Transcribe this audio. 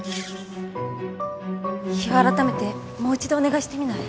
日を改めてもう一度お願いしてみない？